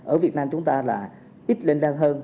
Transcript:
ở việt nam chúng ta là ít lên răng hơn